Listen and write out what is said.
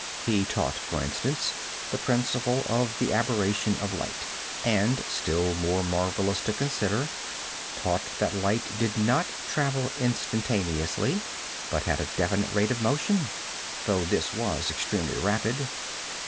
He taught, for instance, the principle of the aberration of light, and, still more marvelous to consider, taught that light did not travel instantaneously but had a definite rate of motion, though this was extremely rapid.